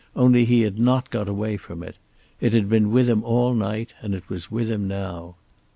Only he had not got away from it. It had been with him all night, and it was with him now.